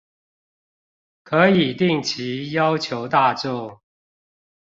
可以定期要求大眾